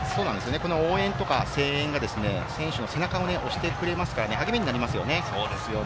応援とか声援が選手の背中を押してくれますから、励みになりますよね。